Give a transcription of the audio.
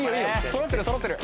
そろってるそろってる！